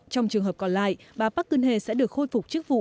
trong trường hợp còn lại bà park cương hề sẽ được khôi phục chức vụ